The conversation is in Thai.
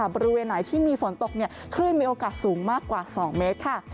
บริเวณไหนที่มีฝนตกคลื่นมีโอกาสสูงมากกว่า๒เมตรค่ะ